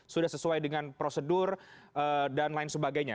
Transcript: sudah sesuai dengan prosedur dan lain sebagainya